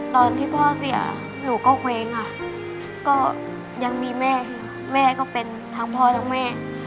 ตอนที่พ่อเสียหนูก็เคว้งค่ะก็ยังมีแม่ค่ะแม่ก็เป็นทั้งพ่อทั้งแม่